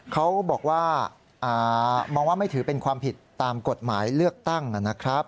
เขาบอกว่ามองว่าไม่ถือเป็นความผิดตามกฎหมายเลือกตั้งนะครับ